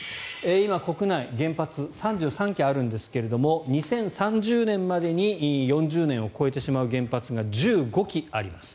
今、国内に原発３３基あるんですが２０３０年までに４０年を超えてしまう原発が１５基あります。